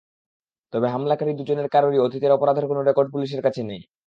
তবে হামলাকারী দুজনের কারোরই অতীত অপরাধের কোনো রেকর্ড পুলিশের কাছে নেই।